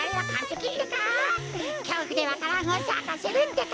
きょうふでわか蘭をさかせるってか。